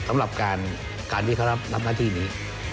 สำหรับการที่เขารับหน้าที่นี้